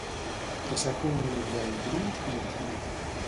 Qui sap un niu i el diu, piu, piu.